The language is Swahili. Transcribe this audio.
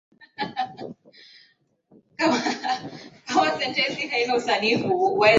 hili tape kuwa nitavitekeleza kwa nguvu zangu zote